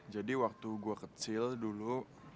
jadi waktu gue kecil dulu